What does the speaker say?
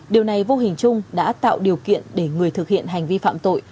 điều này vô hình chung đã tạo điều kiện để người thực hiện hành vi phạm tội